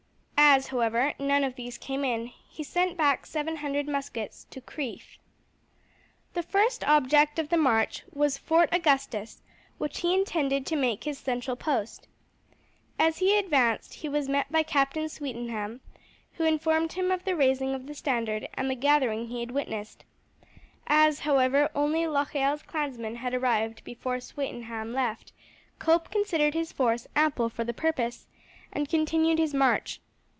As, however, none of these came in, he sent back seven hundred muskets to Crieff. The first object of the march was Fort Augustus, which he intended to make his central post. As he advanced he was met by Captain Swetenham, who informed him of the raising of the standard and the gathering he had witnessed. As, however, only Locheil's clansmen had arrived before Swetenham left, Cope considered his force ample for the purpose, and continued his march.